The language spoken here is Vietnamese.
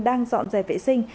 đang dọn dẹp vệ sinh